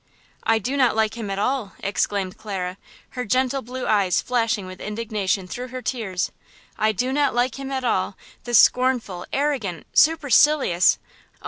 "I do not like him at all!" exclaimed Clara, her gentle blue eyes flashing with indignation through her tears; "I do not like him at all, the scornful, arrogant, supercilious–Oh!